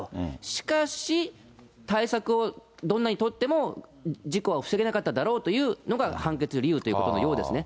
しかし、対策をどんなに取っても、事故は防げなかっただろうというのが、判決の理由ということのようですね。